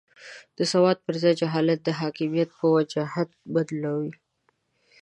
د سواد پر ځای جهالت د حاکمیت په وجاهت بدلوي.